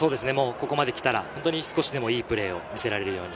ここまで来たら本当に少しでもいいプレーを見せられるように。